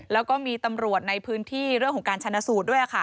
แล้วก็มีตำรวจในพื้นที่เรื่องของการชนะสูตรด้วย